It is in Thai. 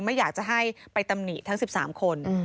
ไม่อยากจะให้ไปตำหนิทั้ง๑๓คน